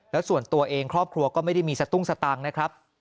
แล้วส่วนตัวเองครอบครัวก็ไม่ได้มีสตุ้งสตังค์นะครับ